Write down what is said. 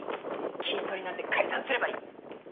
キントリなんて解散すればいい！